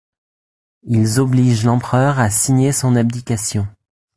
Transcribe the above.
Ils obligent l’empereur à signer son abdication.